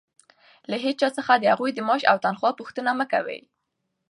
له هېچا څخه د هغوى د معاش او تنخوا پوښتنه مه کوئ!